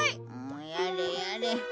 やれやれ。